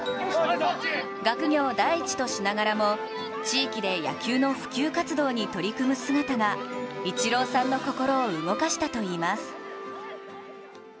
学業第一としながらも地域で野球の普及活動に取り組む姿がイチローさんの心を動かしたといいます。